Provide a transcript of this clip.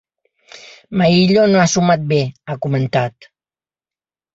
Maillo no ha sumat bé, ha comentat.